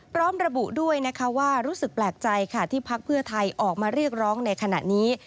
พร้อมระบุด้วยนะคะว่ารู้สึกแปลกใจค่ะที่พักเพื่อไทยออกมาเรียกร้องในขณะนี้